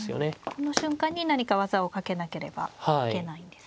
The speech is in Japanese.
この瞬間に何か技をかけなければいけないんですね。